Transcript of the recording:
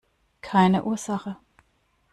Keine Ursache!